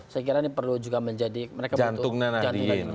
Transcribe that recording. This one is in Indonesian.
saya kira ini perlu juga menjadi jantung nanah diin